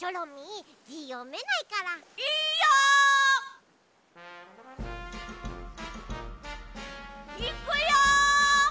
いくよ！